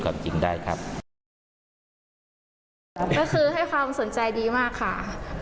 ก็คือให้ความสนใจดีมากค่ะ